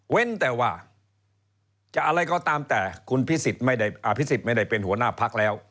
เว้นแต่ว่าจะอะไรก็ตามแต่คุณอภิสิตไม่ได้เป็นหัวหน้าพักแล้ว